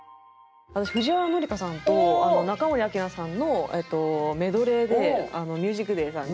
私藤原紀香さんと中森明菜さんのメドレーで『ＭＵＳＩＣＤＡＹ』さんに。